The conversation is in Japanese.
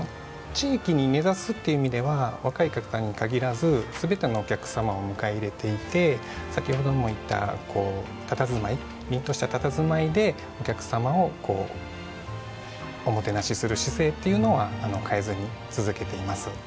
地域に根ざすっていう意味では若いお客さんに限らず全てのお客様を迎え入れていて先ほども言ったこう佇まい凜とした佇まいでお客様をおもてなしする姿勢っていうのは変えずに続けています。